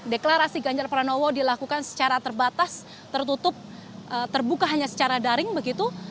deklarasi ganjar pranowo dilakukan secara terbatas tertutup terbuka hanya secara daring begitu